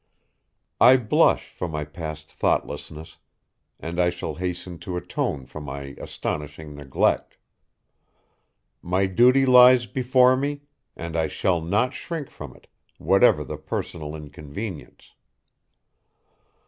I blush for my past thoughtlessness, and I shall hasten to atone for my astonishing neglect. My duty lies before me, and I shall not shrink from it, whatever the personal inconvenience."